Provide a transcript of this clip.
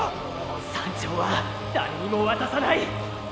山頂は誰にも渡さない